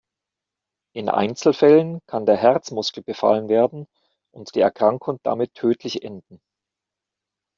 In Einzelfällen kann der Herzmuskel befallen werden und die Erkrankung damit tödlich enden.